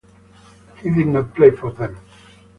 He did not play for them.